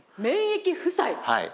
はい。